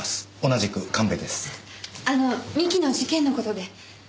あの三木の事件のことで。